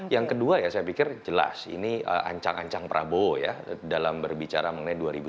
yang kedua ya saya pikir jelas ini ancang ancang prabowo ya dalam berbicara mengenai dua ribu sembilan belas